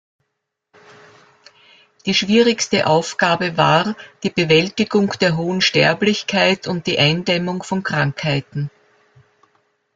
Die schwierigste Aufgabe war die Bewältigung der hohen Sterblichkeit und die Eindämmung von Krankheiten.